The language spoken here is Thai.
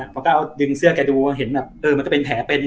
ผมก็เอามือดึงเสื้อกันแล้วยูววววววเห็นแบบมันเป็นแผลเป็น